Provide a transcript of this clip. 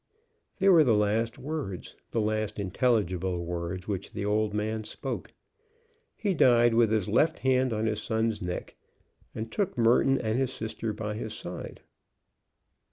They were the last words, the last intelligible words, which the old man spoke. He died with his left hand on his son's neck, and took Merton and his sister by his side.